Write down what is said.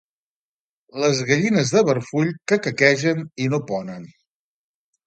Les gallines de Berfull, que caquegen i no ponen.